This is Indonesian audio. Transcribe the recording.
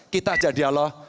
kita ajak dialog